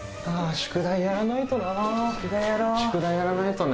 宿題やらないとね。